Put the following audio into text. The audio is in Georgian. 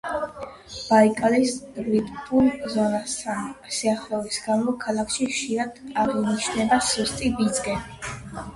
ბაიკალის რიფტულ ზონასთან სიახლოვის გამო ქალაქში ხშირად აღინიშნება სუსტი ბიძგები.